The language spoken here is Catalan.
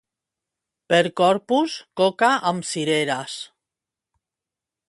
Per Corpus, coca amb cireres.